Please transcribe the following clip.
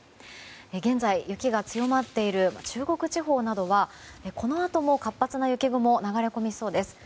現在、雪が強まっている中国地方などはこのあとも活発な雪雲が流れ込みそうです。